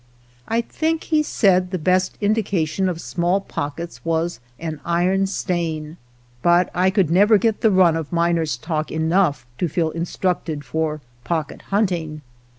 I think he said the best indication of small pockets was an iron stain, but I could never get the run of miner's talk enough to feel instructed for pocket hunting.